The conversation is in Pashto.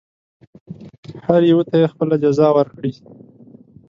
هر یوه ته یې خپله جزا ورکړي.